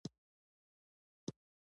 د غاړې د درد لپاره د غاړې ورزش وکړئ